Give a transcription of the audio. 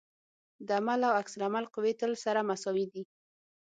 د عمل او عکس العمل قوې تل سره مساوي دي.